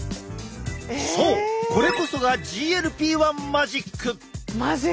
そうこれこそがＧＬＰ−１マジック！